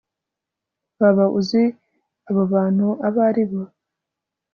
Waba uzi abo bantu abo ari bo